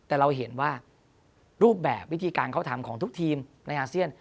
แต่เราเห็นว่ารูปแบบวิธีการเขาทำของทุกทีมในอาเซียน